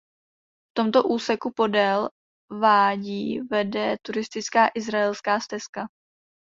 V tomto úseku podél vádí vede turistická Izraelská stezka.